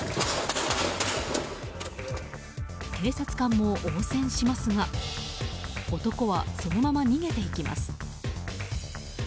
警察官も応戦しますが男はそのまま逃げていきます。